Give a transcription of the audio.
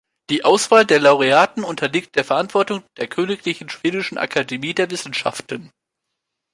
Die Auswahl der Laureaten unterliegt der Verantwortung der Königlich Schwedischen Akademie der Wissenschaften.